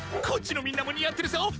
こっちのみんなも似合ってるぞ！